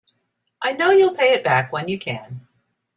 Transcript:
I know you'll pay it back when you can.